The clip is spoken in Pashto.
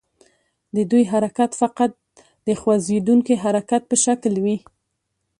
د دوی حرکت فقط د خوځیدونکي حرکت په شکل وي.